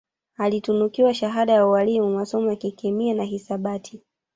Alitunukiwa shahada ya ualimu masomo ya kemiana hisabati